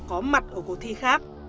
có mặt ở cuộc thi khác